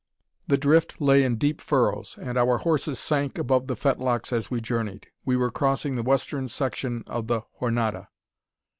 The drift lay in deep furrows, and our horses sank above the fetlocks as we journeyed. We were crossing the western section of the Jornada.